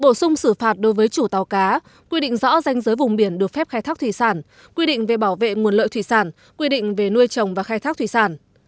bổ sung xử phạt đối với chủ tàu cá quy định rõ danh giới vùng biển được phép khai thác thủy sản quy định về bảo vệ nguồn lợi thủy sản quy định về nuôi trồng và khai thác thủy sản